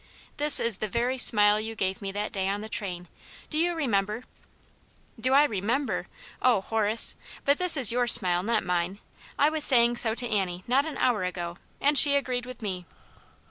"This is the very smile you gave me that day on the train. Do you remember ?"" Do I remember ? Oh, Horace ! But this is your smile, not mine. I was saying so to Annie not an hour ago, and she agreed with me."